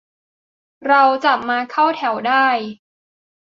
"เราจับมาเข้าแถวได้"